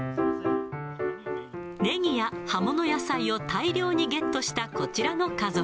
ネギや葉物野菜を大量にゲットしたこちらの家族。